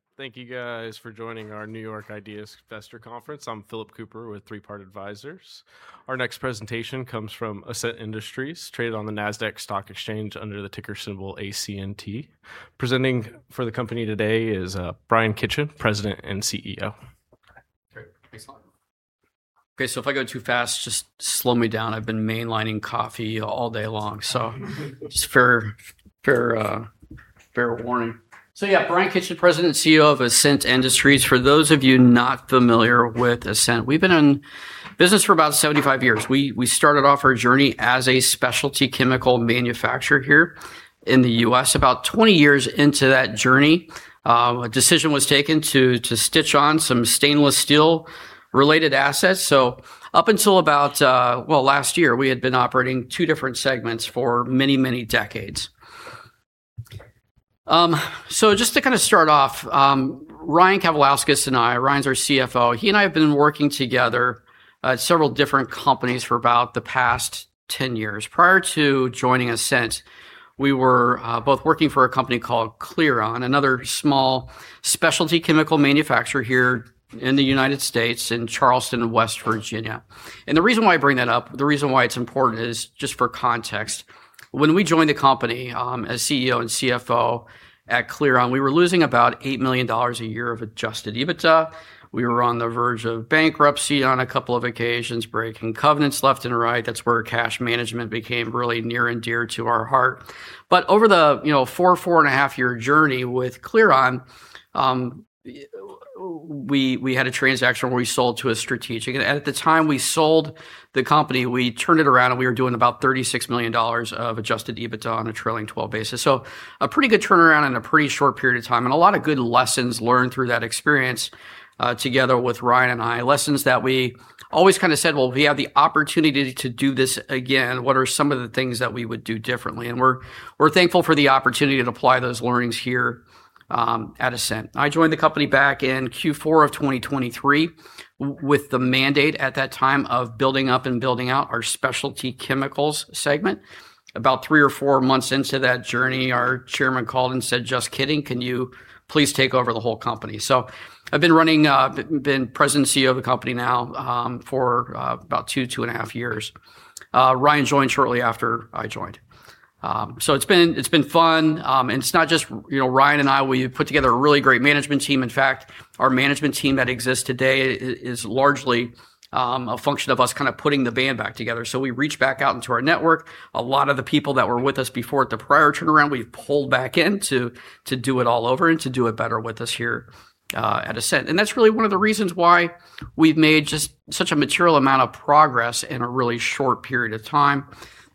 All right. Thank you guys for joining our East Coast IDEAS Conference. I'm Philip Cooper with Three Part Advisors. Our next presentation comes from Ascent Industries, traded on the Nasdaq stock exchange under the ticker symbol ACNT. Presenting for the company today is Bryan Kitchen, President and CEO. Great. Thanks a lot. Okay, if I go too fast, just slow me down. I've been mainlining coffee all day long. Just fair warning. Yeah, Bryan Kitchen, President and CEO of Ascent Industries. For those of you not familiar with Ascent, we've been in business for about 75 years. We started off our journey as a specialty chemical manufacturer here in the U.S. About 20 years into that journey, a decision was taken to stitch on some stainless steel related assets. Up until about, well, last year, we had been operating two different segments for many, many decades. Just to start off, Ryan Kavalauskas and I, Ryan's our CFO. He and I have been working together at several different companies for about the past 10 years. Prior to joining Ascent, we were both working for a company called Clearon, another small specialty chemical manufacturer here in the United States in Charleston, West Virginia. The reason why I bring that up, the reason why it's important is just for context. When we joined the company, as CEO and CFO at Clearon, we were losing about $8 million a year of adjusted EBITDA. We were on the verge of bankruptcy on a couple of occasions, breaking covenants left and right. That's where cash management became really near and dear to our heart. Over the four and a half year journey with Clearon, we had a transaction where we sold to a strategic. At the time we sold the company, we turned it around, and we were doing about $36 million of adjusted EBITDA on a trailing 12 basis. A pretty good turnaround in a pretty short period of time, and a lot of good lessons learned through that experience, together with Ryan and I. Lessons that we always said, "Well, if we have the opportunity to do this again, what are some of the things that we would do differently?" We're thankful for the opportunity to apply those learnings here, at Ascent. I joined the company back in Q4 of 2023 with the mandate at that time of building up and building out our specialty chemicals segment. About three or four months into that journey, our chairman called and said, "Just kidding. Can you please take over the whole company?" I've been President and CEO of the company now, for about two and a half years. Ryan joined shortly after I joined. It's been fun. It's not just Ryan and I, we've put together a really great management team. In fact, our management team that exists today is largely a function of us putting the band back together. We reached back out into our network. A lot of the people that were with us before at the prior turnaround, we've pulled back in to do it all over and to do it better with us here, at Ascent. That's really one of the reasons why we've made just such a material amount of progress in a really short period of time.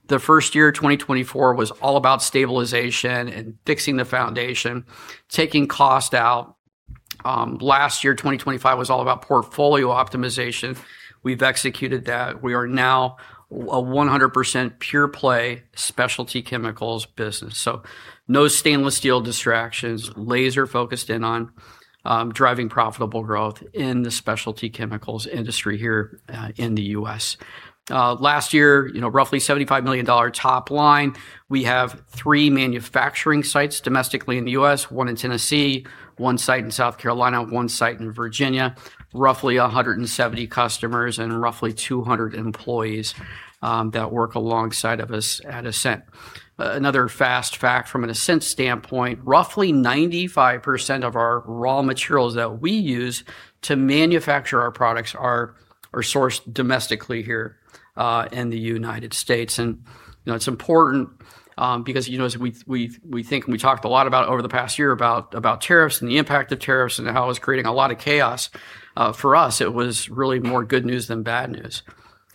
The first year, 2024, was all about stabilization and fixing the foundation, taking cost out. Last year, 2025, was all about portfolio optimization. We've executed that. We are now a 100% pure play specialty chemicals business, so no stainless steel distractions. Laser focused in on driving profitable growth in the specialty chemicals industry here in the U.S. Last year, roughly $75 million top line. We have three manufacturing sites domestically in the U.S., one in Tennessee, one site in South Carolina, one site in Virginia, roughly 170 customers and roughly 200 employees that work alongside of us at Ascent. Another fast fact from an Ascent standpoint, roughly 95% of our raw materials that we use to manufacture our products are sourced domestically here, in the United States. It's important, because as we think, and we talked a lot over the past year about tariffs and the impact of tariffs and how it was creating a lot of chaos, for us, it was really more good news than bad news.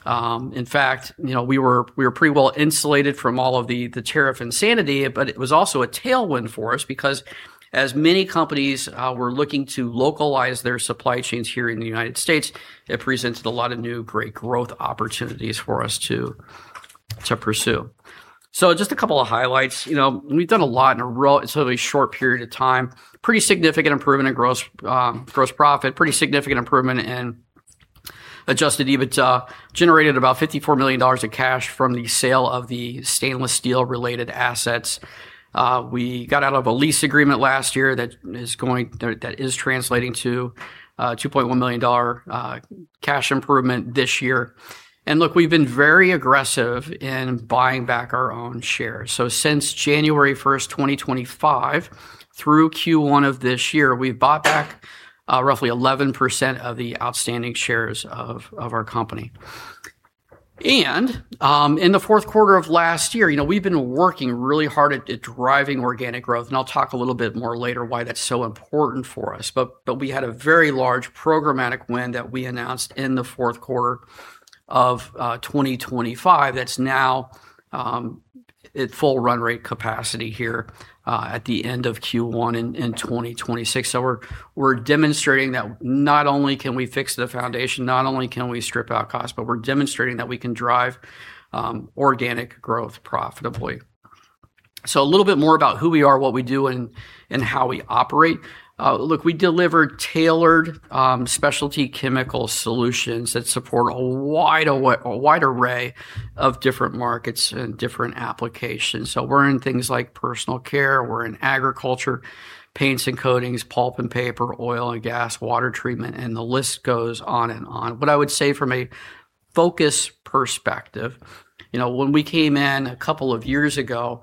In fact, we were pretty well insulated from all of the tariff insanity, but it was also a tailwind for us because as many companies were looking to localize their supply chains here in the United States, it presented a lot of new great growth opportunities for us to pursue. Just a couple of highlights. We've done a lot in a relatively short period of time. Pretty significant improvement in gross profit. Pretty significant improvement in adjusted EBITDA. Generated about $54 million of cash from the sale of the stainless steel related assets. We got out of a lease agreement last year that is translating to a $2.1 million cash improvement this year. Look, we've been very aggressive in buying back our own shares. Since January 1st, 2025 through Q1 of this year, we've bought back roughly 11% of the outstanding shares of our company. In the fourth quarter of last year, we've been working really hard at driving organic growth, and I'll talk a little bit more later why that's so important for us. We had a very large programmatic win that we announced in the fourth quarter of 2025, that's now at full run rate capacity here, at the end of Q1 in 2026. We're demonstrating that not only can we fix the foundation, not only can we strip out cost, but we're demonstrating that we can drive organic growth profitably. A little bit more about who we are, what we do, and how we operate. Look, we deliver tailored specialty chemical solutions that support a wide array of different markets and different applications. We're in things like personal care, we're in agriculture, paints and coatings, pulp and paper, oil and gas, water treatment, and the list goes on and on. What I would say from a focus perspective, when we came in a couple of years ago,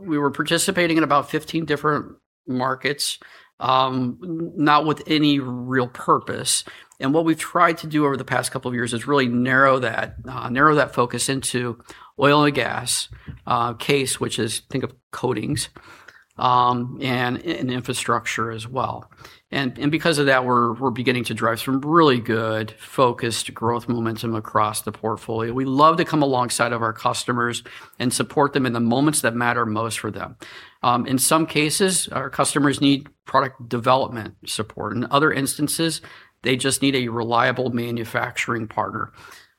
we were participating in about 15 different markets, not with any real purpose. What we've tried to do over the past couple of years is really narrow that focus into oil and gas, CASE, which is think of coatings, and infrastructure as well. Because of that, we're beginning to drive some really good focused growth momentum across the portfolio. We love to come alongside of our customers and support them in the moments that matter most for them. In some cases, our customers need product development support. In other instances, they just need a reliable manufacturing partner.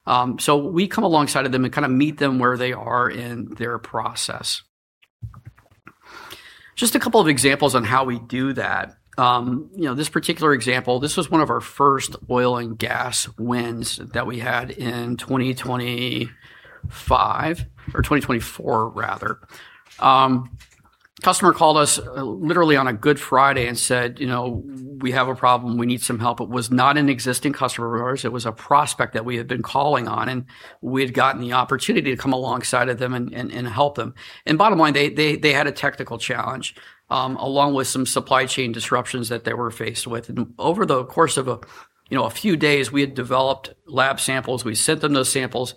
We come alongside of them and kind of meet them where they are in their process. Just a couple of examples on how we do that. This particular example, this was one of our first oil and gas wins that we had in 2025, or 2024, rather. Customer called us literally on a Good Friday and said, "We have a problem. We need some help." It was not an existing customer of ours. It was a prospect that we had been calling on, and we had gotten the opportunity to come alongside of them and help them. Bottom line, they had a technical challenge, along with some supply chain disruptions that they were faced with. Over the course of a few days, we had developed lab samples. We sent them those samples.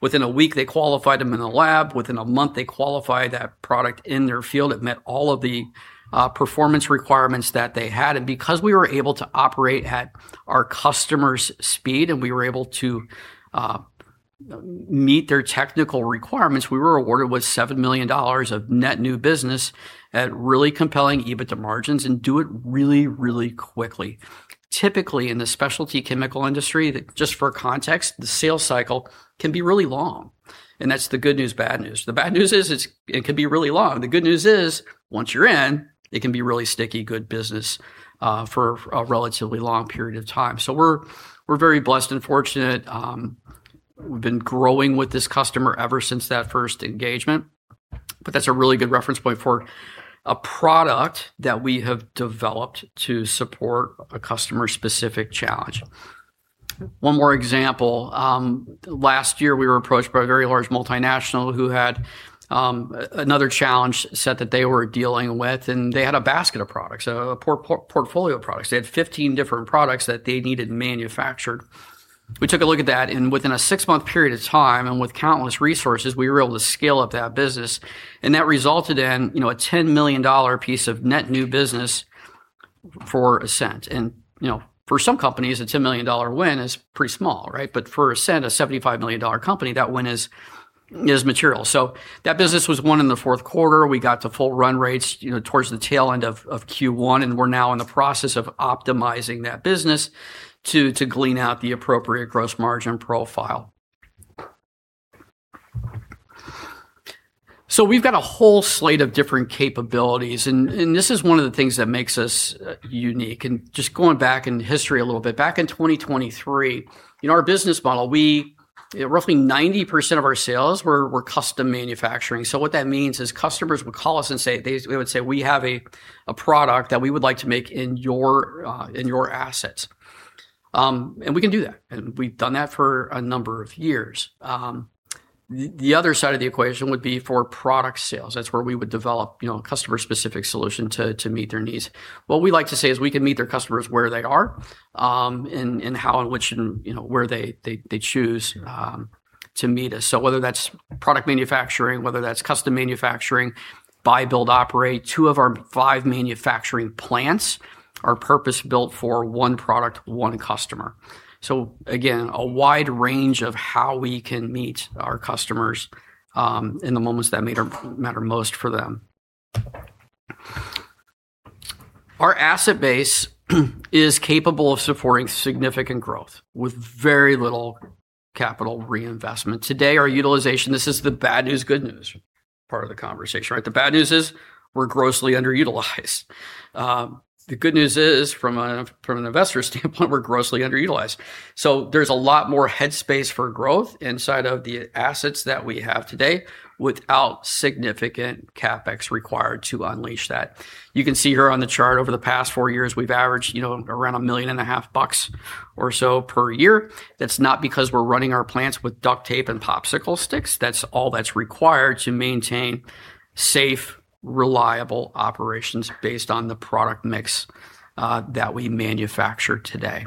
Within a week, they qualified them in the lab. Within a month, they qualified that product in their field. It met all of the performance requirements that they had. Because we were able to operate at our customer's speed, and we were able to meet their technical requirements, we were awarded with $7 million of net new business at really compelling EBITDA margins and do it really, really quickly. Typically, in the specialty chemical industry, just for context, the sales cycle can be really long, and that's the good news, bad news. The bad news is it can be really long. The good news is, once you're in, it can be really sticky, good business for a relatively long period of time. We're very blessed and fortunate. We've been growing with this customer ever since that first engagement, but that's a really good reference point for a product that we have developed to support a customer-specific challenge. One more example. Last year, we were approached by a very large multinational who had another challenge set that they were dealing with, and they had a basket of products, a portfolio of products. They had 15 different products that they needed manufactured. We took a look at that, within a six-month period of time, and with countless resources, we were able to scale up that business, that resulted in a $10 million piece of net new business for Ascent. For some companies, a $10 million win is pretty small, right? But for Ascent, a $75 million company, that win is material. That business was won in the fourth quarter. We got to full run rates towards the tail end of Q1, and we're now in the process of optimizing that business to glean out the appropriate gross margin profile. We've got a whole slate of different capabilities, this is one of the things that makes us unique. Just going back in history a little bit, back in 2023, in our business model, roughly 90% of our sales were custom manufacturing. What that means is customers would call us and they would say, "We have a product that we would like to make in your assets." We can do that, and we've done that for a number of years. The other side of the equation would be for product sales. That's where we would develop a customer-specific solution to meet their needs. What we like to say is we can meet their customers where they are, in how and which, and where they choose to meet us. Whether that's product manufacturing, whether that's custom manufacturing, buy, build, operate, two of our five manufacturing plants are purpose-built for one product, one customer. Again, a wide range of how we can meet our customers in the moments that matter most for them. Our asset base is capable of supporting significant growth with very little capital reinvestment. Today, our utilization, this is the bad news, good news part of the conversation, right? The bad news is we're grossly underutilized. The good news is, from an investor standpoint, we're grossly underutilized. There's a lot more headspace for growth inside of the assets that we have today without significant CapEx required to unleash that. You can see here on the chart, over the past four years, we've averaged around a million and a half bucks or so per year. That's not because we're running our plants with duct tape and popsicle sticks. That's all that's required to maintain safe, reliable operations based on the product mix that we manufacture today.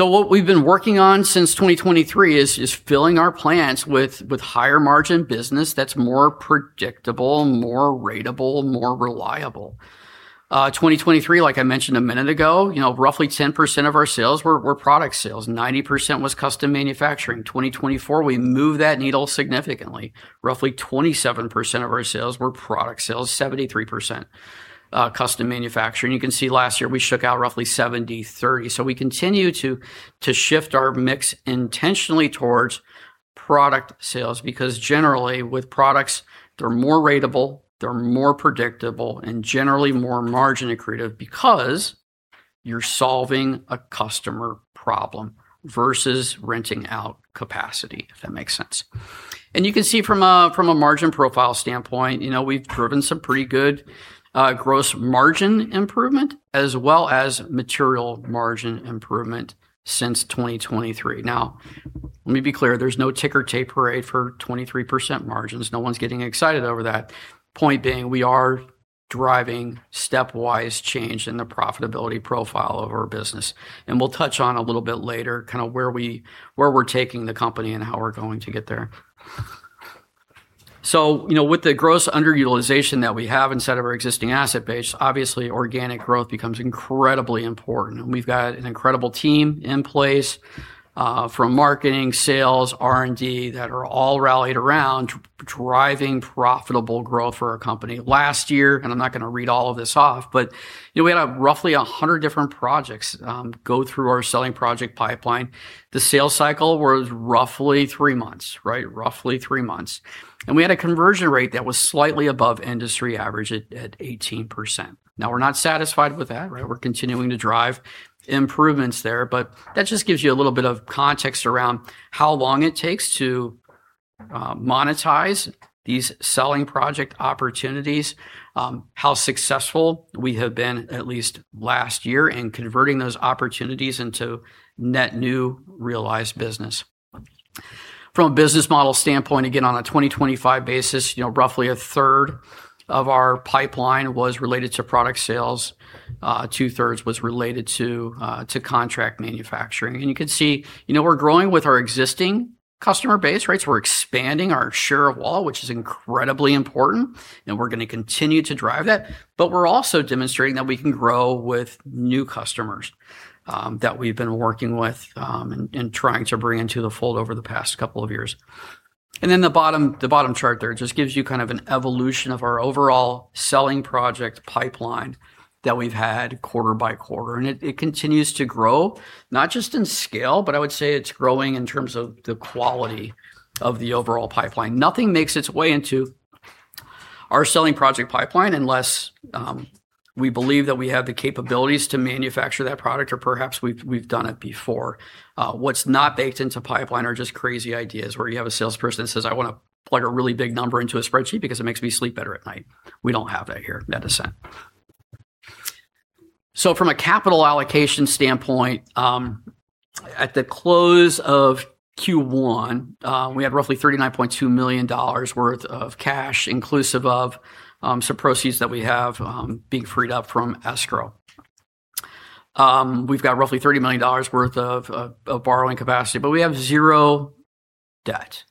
What we've been working on since 2023 is filling our plants with higher margin business that's more predictable, more ratable, more reliable. 2023, like I mentioned a minute ago, roughly 10% of our sales were product sales. 90% was custom manufacturing. 2024, we moved that needle significantly. Roughly 27% of our sales were product sales, 73% custom manufacturing. You can see last year, we shook out roughly 70/30. We continue to shift our mix intentionally towards Product sales, because generally with products, they're more ratable, they're more predictable, and generally more margin accretive because you're solving a customer problem versus renting out capacity, if that makes sense. You can see from a margin profile standpoint, we've driven some pretty good gross margin improvement as well as material margin improvement since 2023. Now, let me be clear, there's no ticker tape parade for 23% margins. No one's getting excited over that. Point being, we are driving stepwise change in the profitability profile of our business, and we'll touch on a little bit later where we're taking the company and how we're going to get there. With the gross underutilization that we have inside of our existing asset base, obviously organic growth becomes incredibly important. We've got an incredible team in place, from marketing, sales, R&D, that are all rallied around driving profitable growth for our company. Last year, and I'm not going to read all of this off, but we had roughly 100 different projects go through our selling project pipeline. The sales cycle was roughly three months. Roughly three months. We had a conversion rate that was slightly above industry average at 18%. We're not satisfied with that. We're continuing to drive improvements there, but that just gives you a little bit of context around how long it takes to monetize these selling project opportunities, how successful we have been, at least last year, in converting those opportunities into net new realized business. From a business model standpoint, again, on a 2025 basis, roughly a third of our pipeline was related to product sales. Two-thirds was related to contract manufacturing. You can see, we're growing with our existing customer base. We're expanding our share of wallet, which is incredibly important, and we're going to continue to drive that. We're also demonstrating that we can grow with new customers that we've been working with, and trying to bring into the fold over the past couple of years. The bottom chart there just gives you kind of an evolution of our overall selling project pipeline that we've had quarter by quarter. It continues to grow, not just in scale, but I would say it's growing in terms of the quality of the overall pipeline. Nothing makes its way into our selling project pipeline unless we believe that we have the capabilities to manufacture that product or perhaps we've done it before. What's not baked into pipeline are just crazy ideas where you have a salesperson that says, "I want to plug a really big number into a spreadsheet because it makes me sleep better at night." We don't have that here at Ascent. From a capital allocation standpoint, at the close of Q1, we had roughly $39.2 million worth of cash, inclusive of some proceeds that we have being freed up from escrow. We've got roughly $30 million worth of borrowing capacity, but we have zero debt.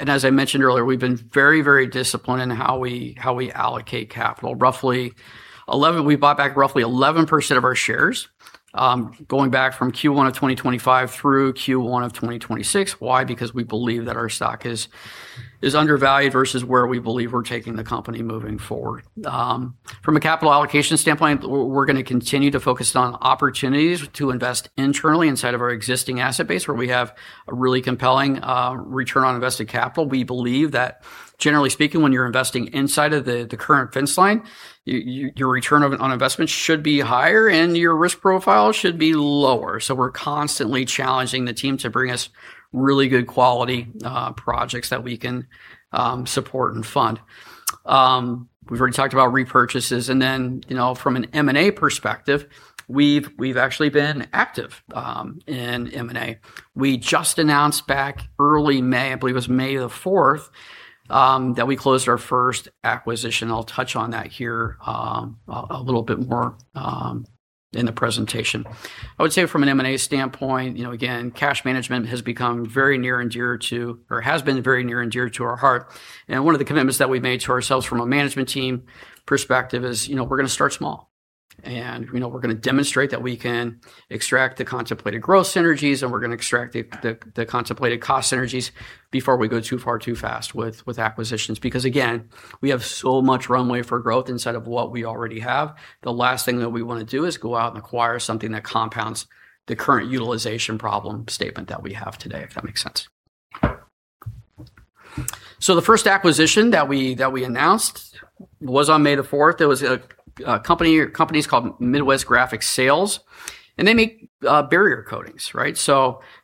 As I mentioned earlier, we've been very disciplined in how we allocate capital. We bought back roughly 11% of our shares, going back from Q1 of 2025 through Q1 of 2026. Why? Because we believe that our stock is undervalued versus where we believe we're taking the company moving forward. From a capital allocation standpoint, we're going to continue to focus on opportunities to invest internally inside of our existing asset base, where we have a really compelling return on invested capital. We believe that generally speaking, when you're investing inside of the current fence line, your return on investment should be higher and your risk profile should be lower. We're constantly challenging the team to bring us really good quality projects that we can support and fund. We've already talked about repurchases, then, from an M&A perspective, we've actually been active in M&A. We just announced back early May, I believe it was May 4th, that we closed our first acquisition. I'll touch on that here a little bit more in the presentation. I would say from an M&A standpoint, again, cash management has become very near and dear to, or has been very near and dear to our heart. One of the commitments that we've made to ourselves from a management team perspective is we're going to start small. We're going to demonstrate that we can extract the contemplated growth synergies, we're going to extract the contemplated cost synergies before we go too far too fast with acquisitions. Again, we have so much runway for growth inside of what we already have. The last thing that we want to do is go out and acquire something that compounds the current utilization problem statement that we have today, if that makes sense. The first acquisition that we announced was on May 4th. It was a company or companies called Midwest Graphic Sales, and they make barrier coatings.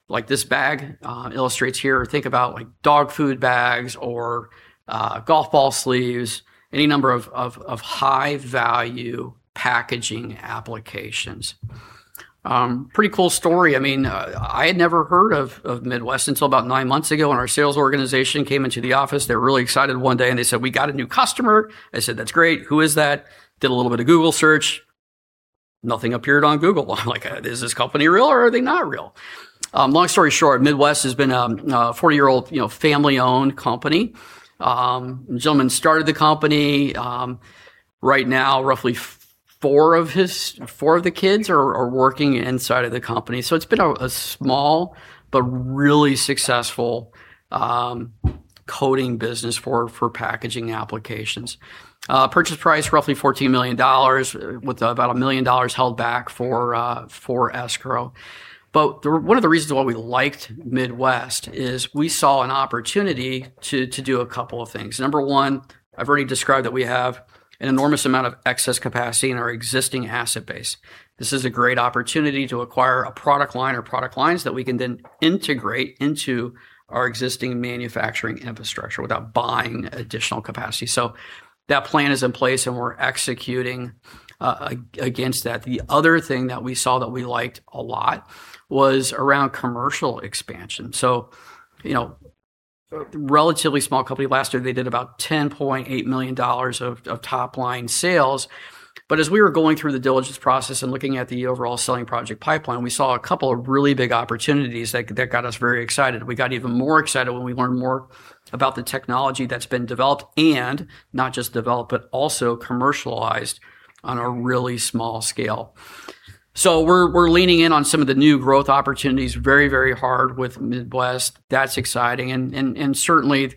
Like this bag illustrates here, think about dog food bags or golf ball sleeves. Any number of high-value packaging applications. Pretty cool story. I had never heard of Midwest until about nine months ago, when our sales organization came into the office. They were really excited one day, they said, "We got a new customer." I said, "That's great. Who is that?" Did a little bit of Google search. Nothing appeared on Google. Like, is this company real or are they not real? Long story short, Midwest has been a 40-year-old family-owned company. Gentleman started the company. Right now, roughly four of the kids are working inside of the company. It's been a small but really successful coating business for packaging applications. Purchase price, roughly $14 million, with about $1 million held back for escrow. One of the reasons why we liked Midwest is we saw an opportunity to do a couple of things. Number one, I've already described that we have an enormous amount of excess capacity in our existing asset base. This is a great opportunity to acquire a product line or product lines that we can then integrate into our existing manufacturing infrastructure without buying additional capacity. That plan is in place, we're executing against that. The other thing that we saw that we liked a lot was around commercial expansion. Relatively small company. Last year, they did about $10.8 million of top-line sales. As we were going through the diligence process and looking at the overall selling project pipeline, we saw a couple of really big opportunities that got us very excited. We got even more excited when we learned more about the technology that's been developed and, not just developed, but also commercialized on a really small scale. We're leaning in on some of the new growth opportunities very hard with Midwest. That's exciting. Certainly,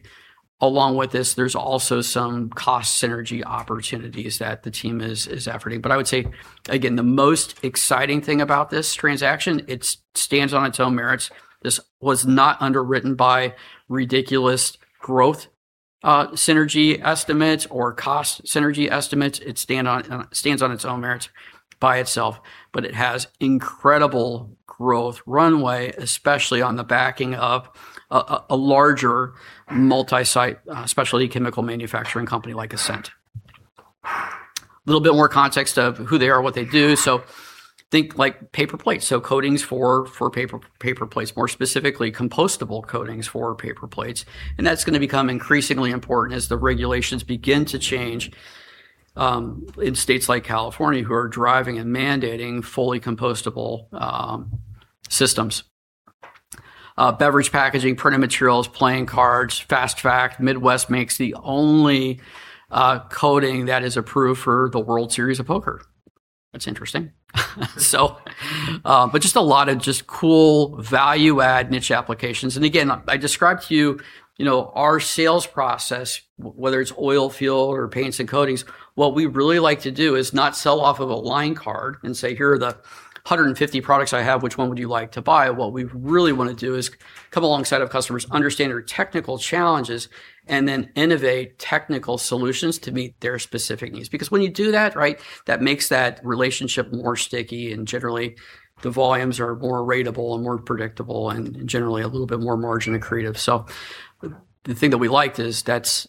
along with this, there's also some cost synergy opportunities that the team is efforting. I would say, again, the most exciting thing about this transaction, it stands on its own merits. This was not underwritten by ridiculous growth synergy estimates or cost synergy estimates. It stands on its own merits by itself, but it has incredible growth runway, especially on the backing of a larger multi-site specialty chemical manufacturing company like Ascent. A little bit more context of who they are, what they do. Think like paper plates, so coatings for paper plates, more specifically compostable coatings for paper plates. That's going to become increasingly important as the regulations begin to change in states like California, who are driving and mandating fully compostable systems. Beverage packaging, printed materials, playing cards. Fast fact: Midwest makes the only coating that is approved for the World Series of Poker. That's interesting. A lot of cool value-add niche applications. Again, I described to you our sales process, whether it's oil field or paints and coatings, what we really like to do is not sell off of a line card and say, "Here are the 150 products I have. Which one would you like to buy?" What we really want to do is come alongside of customers, understand their technical challenges, and then innovate technical solutions to meet their specific needs. When you do that makes that relationship more sticky, and generally, the volumes are more ratable and more predictable and generally a little bit more margin accretive. The thing that we liked is that's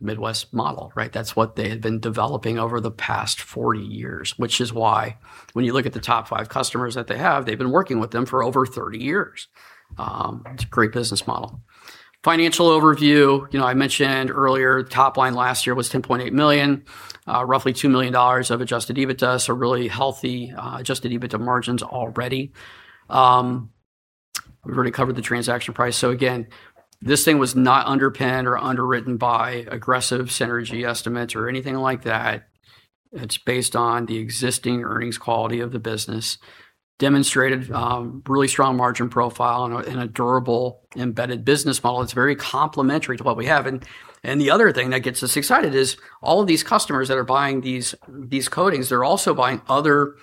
Midwest model, right? That's what they had been developing over the past 40 years, which is why when you look at the top five customers that they have, they've been working with them for over 30 years. It's a great business model. Financial overview. I mentioned earlier top line last year was $10.8 million. Roughly $2 million of adjusted EBITDA, really healthy adjusted EBITDA margins already. We've already covered the transaction price. Again, this thing was not underpinned or underwritten by aggressive synergy estimates or anything like that. It's based on the existing earnings quality of the business. Demonstrated really strong margin profile and a durable embedded business model. It's very complementary to what we have. The other thing that gets us excited is all of these customers that are buying these coatings, they're also buying other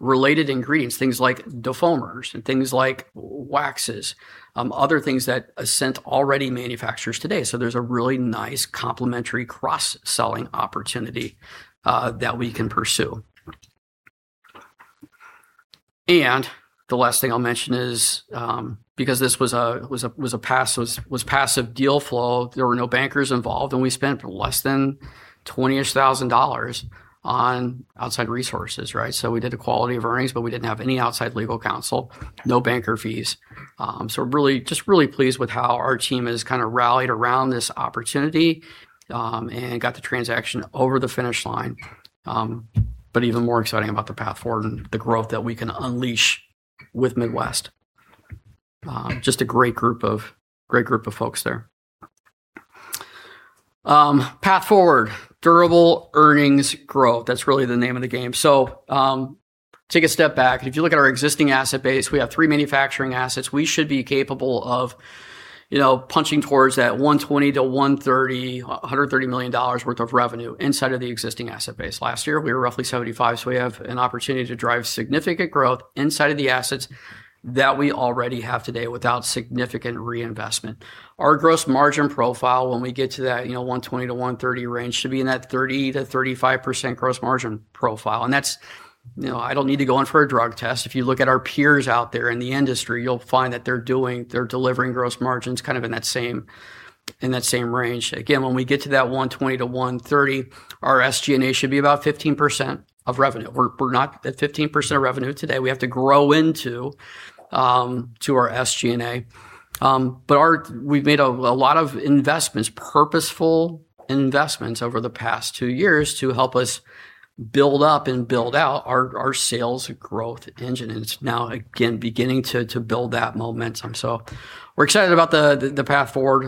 related ingredients, things like defoamers and things like waxes, other things that Ascent already manufactures today. There's a really nice complementary cross-selling opportunity that we can pursue. The last thing I'll mention is because this was passive deal flow, there were no bankers involved, and we spent less than $20 thousand on outside resources, right? We did the quality of earnings, but we didn't have any outside legal counsel, no banker fees. Really pleased with how our team has rallied around this opportunity and got the transaction over the finish line. Even more exciting about the path forward and the growth that we can unleash with Midwest. A great group of folks there. Path forward. Durable earnings growth. That's really the name of the game. Take a step back. If you look at our existing asset base, we have three manufacturing assets. We should be capable of punching towards that $120 million-$130 million worth of revenue inside of the existing asset base. Last year, we were roughly $75 million, we have an opportunity to drive significant growth inside of the assets that we already have today without significant reinvestment. Our gross margin profile when we get to that $120 million-$130 million range should be in that 30%-35% gross margin profile. I don't need to go in for a drug test. If you look at our peers out there in the industry, you'll find that they're delivering gross margins kind of in that same range. Again, when we get to that $120 million-$130 million, our SG&A should be about 15% of revenue. We're not at 15% of revenue today. We have to grow into our SG&A. We've made a lot of investments, purposeful investments over the past two years to help us build up and build out our sales growth engine, and it's now, again, beginning to build that momentum. We're excited about the path forward.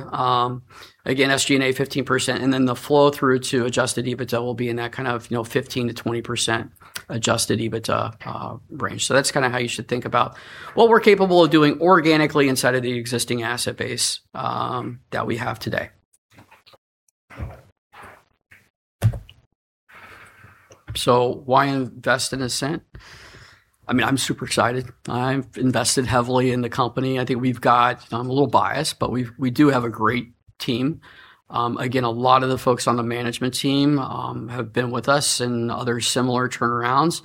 Again, SG&A 15%, and then the flow-through to adjusted EBITDA will be in that kind of 15%-20% adjusted EBITDA range. That's how you should think about what we're capable of doing organically inside of the existing asset base that we have today. Why invest in Ascent? I'm super excited. I've invested heavily in the company. I'm a little biased, but we do have a great team. Again, a lot of the folks on the management team have been with us in other similar turnarounds.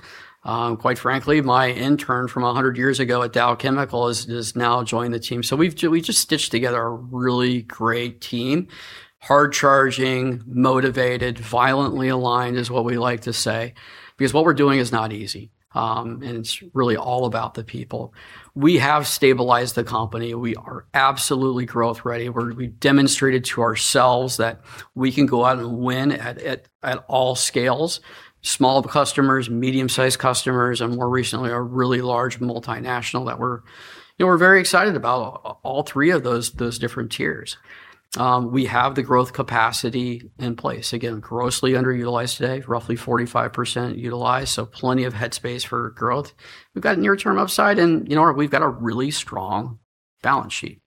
Quite frankly, my intern from 100 years ago at Dow Chemical has now joined the team. We've just stitched together a really great team, hard-charging, motivated, violently aligned is what we like to say, because what we're doing is not easy. It's really all about the people. We have stabilized the company. We are absolutely growth ready, where we demonstrated to ourselves that we can go out and win at all scales, small customers, medium-sized customers, and more recently, a really large multinational that we're very excited about all three of those different tiers. We have the growth capacity in place. Again, grossly underutilized today, roughly 45% utilized, so plenty of headspace for growth. We've got near-term upside, and we've got a really strong balance sheet.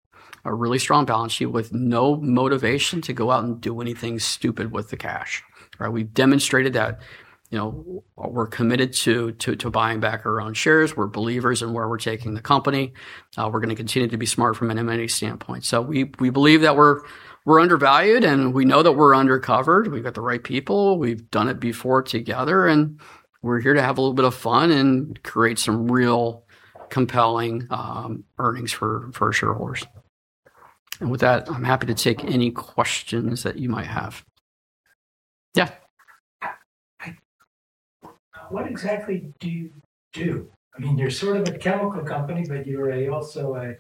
A really strong balance sheet with no motivation to go out and do anything stupid with the cash. We've demonstrated that we're committed to buying back our own shares. We're believers in where we're taking the company. We're going to continue to be smart from an M&A standpoint. We believe that we're undervalued, and we know that we're undercovered. We've got the right people. We've done it before together, and we're here to have a little bit of fun and create some real compelling earnings for shareholders. With that, I'm happy to take any questions that you might have. Yeah. What exactly do you do? You're sort of a chemical company, you're also a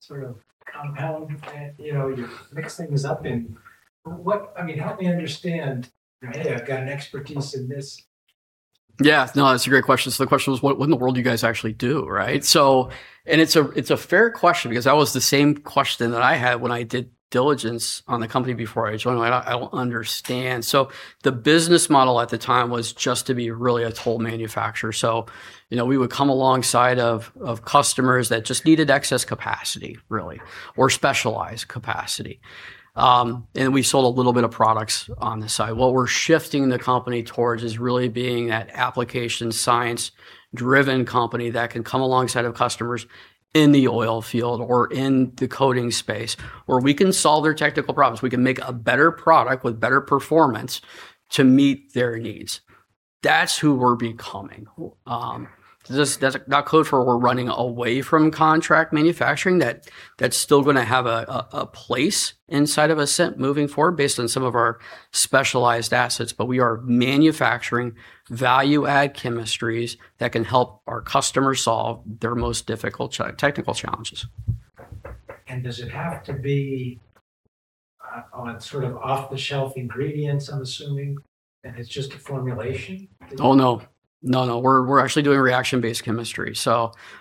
sort of compound. You mix things up in. Help me understand. Hey, I've got an expertise in this. Yeah, no, that's a great question. The question was, what in the world do you guys actually do, right? It's a fair question because that was the same question that I had when I did diligence on the company before I joined. I don't understand. The business model at the time was just to be really a toll manufacturer. We would come alongside of customers that just needed excess capacity, really, or specialized capacity. We sold a little bit of products on the side. What we're shifting the company towards is really being that application science-driven company that can come alongside of customers in the oil field or in the coding space, where we can solve their technical problems. We can make a better product with better performance to meet their needs. That's who we're becoming. That's not code for we're running away from contract manufacturing, that's still going to have a place inside of Ascent moving forward based on some of our specialized assets. We are manufacturing value-add chemistries that can help our customers solve their most difficult technical challenges. Does it have to be on sort of off-the-shelf ingredients, I'm assuming, and it's just a formulation? Oh, no. We're actually doing reaction-based chemistry.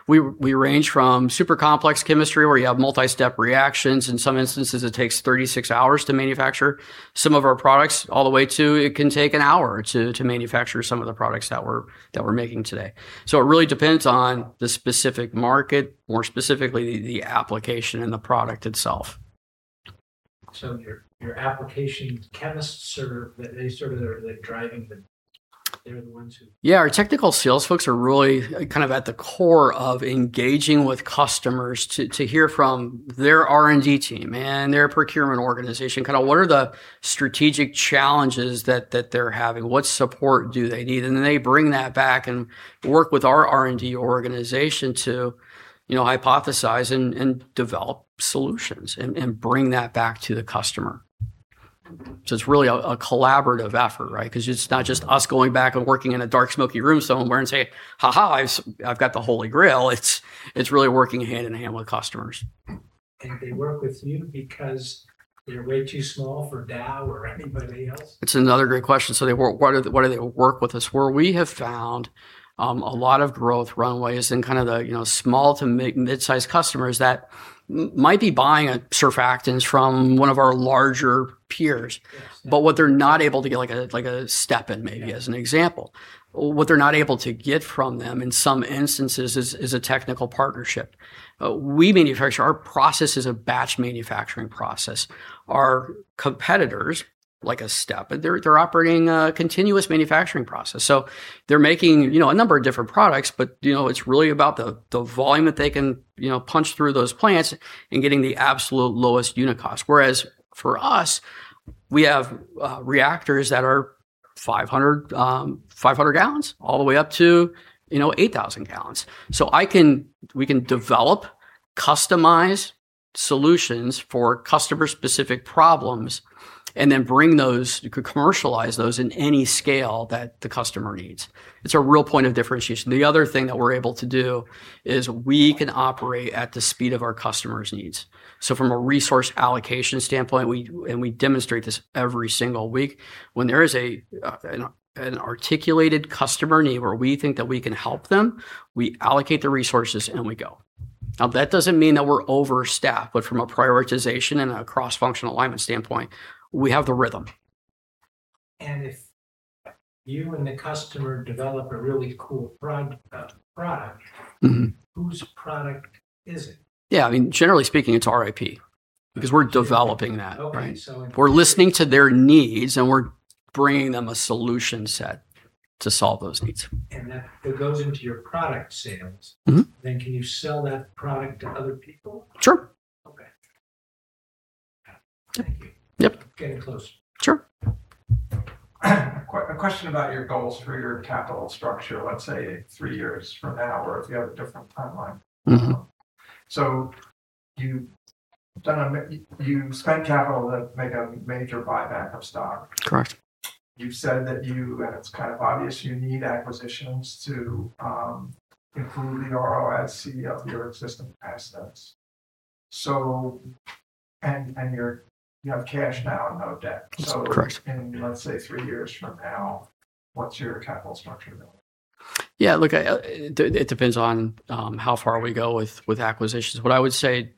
We range from super complex chemistry where you have multi-step reactions. In some instances, it takes 36 hours to manufacture some of our products, all the way to it can take an hour to manufacture some of the products that we're making today. It really depends on the specific market, more specifically, the application and the product itself. Your application chemists, they sort of are driving. Yeah, our technical sales folks are really at the core of engaging with customers to hear from their R&D team and their procurement organization, what are the strategic challenges that they're having? What support do they need? Then they bring that back and work with our R&D organization to hypothesize and develop solutions and bring that back to the customer. It's really a collaborative effort, right? Because it's not just us going back and working in a dark, smoky room somewhere and say, "Ha ha, I've got the Holy Grail." It's really working hand in hand with customers. They work with you because they're way too small for Dow or anybody else? It's another great question. Why do they work with us? Where we have found a lot of growth runway is in the small to mid-size customers that might be buying surfactants from one of our larger peers. Yes. What they're not able to get, like a Stepan maybe as an example. What they're not able to get from them in some instances is a technical partnership. We manufacture, our process is a batch manufacturing process. Our competitors, like a Stepan, they're operating a continuous manufacturing process. They're making a number of different products, but it's really about the volume that they can punch through those plants and getting the absolute lowest unit cost. Whereas for us, we have reactors that are 500 gal all the way up to 8,000 gal. We can develop customized solutions for customer-specific problems and then bring those, you could commercialize those in any scale that the customer needs. It's a real point of differentiation. The other thing that we're able to do is we can operate at the speed of our customers' needs. From a resource allocation standpoint, and we demonstrate this every single week, when there is an articulated customer need where we think that we can help them, we allocate the resources and we go. Now, that doesn't mean that we're overstaffed, but from a prioritization and a cross-functional alignment standpoint, we have the rhythm. If you and the customer develop a really cool product Whose product is it? Yeah. Generally speaking, it's RIP. Because we're developing that, right? Okay. We're listening to their needs, and we're bringing them a solution set to solve those needs. That goes into your product sales. Can you sell that product to other people? Sure. Okay. Thank you. Yep. Getting close. Sure. A question about your goals for your capital structure, let's say, three years from now or if you have a different timeline. You spent capital to make a major buyback of stock. Correct. You've said that you, it's kind of obvious you need acquisitions to improve the ROIC of your existing assets. You have cash now and no debt. That's correct. In, let's say, three years from now, what's your capital structure look like? Look, it depends on how far we go with acquisitions. What I would say,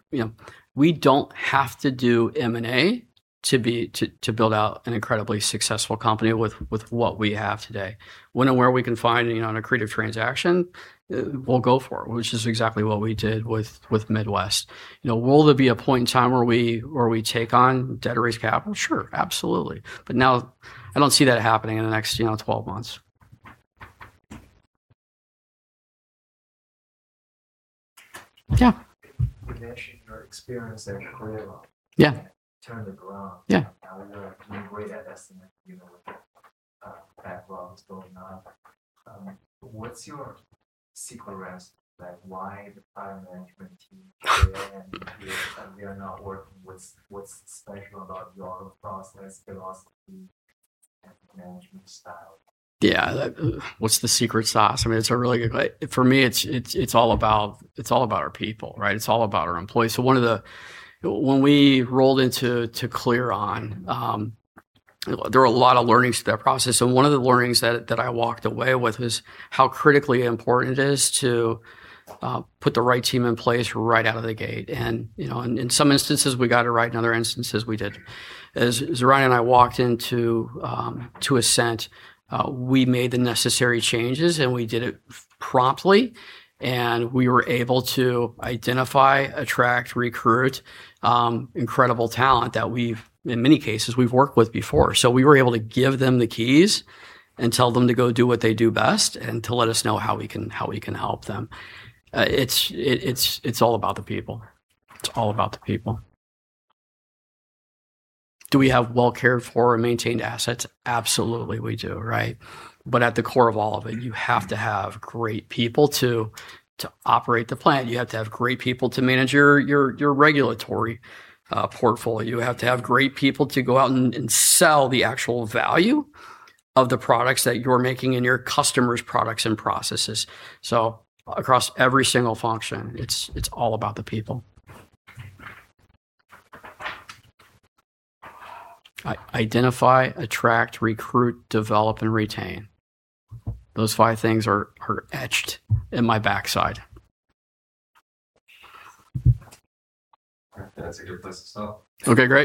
we don't have to do M&A to build out an incredibly successful company with what we have today. When and where we can find an accretive transaction, we'll go for it, which is exactly what we did with Midwest. Will there be a point in time where we take on debt or raise capital? Sure, absolutely. Now I don't see that happening in the next 12 months. You mentioned your experience at Clearon. Yeah. Turned it around. Yeah. Now you're great at estimating what the backlog is going on. What's your secret recipe? Why the prior management team failed, and you're not working with what's special about your process, philosophy, management style? Yeah. What's the secret sauce? For me, it's all about our people, right? It's all about our employees. When we rolled into Clearon, there were a lot of learnings to that process, and one of the learnings that I walked away with was how critically important it is to put the right team in place right out of the gate. In some instances, we got it right, in other instances, we didn't. As Ryan and I walked into Ascent, we made the necessary changes, and we did it promptly, and we were able to identify, attract, recruit incredible talent that in many cases we've worked with before. We were able to give them the keys and tell them to go do what they do best and to let us know how we can help them. It's all about the people. Do we have well-cared-for and maintained assets? Absolutely, we do, right? At the core of all of it, you have to have great people to operate the plant. You have to have great people to manage your regulatory portfolio. You have to have great people to go out and sell the actual value of the products that you're making and your customers' products and processes. Across every single function, it's all about the people. Identify, attract, recruit, develop, and retain. Those five things are etched in my backside. That's a good place to stop. Okay, great.